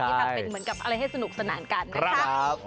อ๋อที่ทำเป็นเหมือนอะไรให้สนุกสนานกันนะคะ